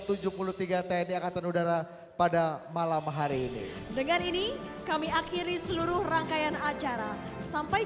tni angkatan udara pada malam hari ini dengan ini kami akhiri seluruh rangkaian acara sampai